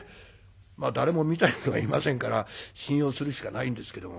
まあ誰も見た人がいませんから信用するしかないんですけども。